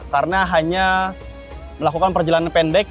karena hanya melakukan perjalanan pendek